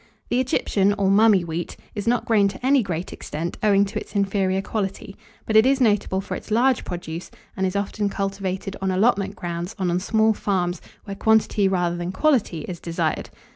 ] The Egyptian, or Mummy Wheat, is not grown to any great extent, owing to its inferior quality; but it is notable for its large produce, and is often cultivated on allotment grounds and on small farms, where quantity rather than quality is desired.